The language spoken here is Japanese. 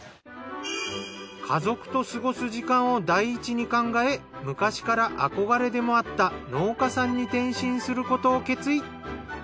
家族と過ごす時間を第一に考え昔から憧れでもあった農家さんに転身することを決意。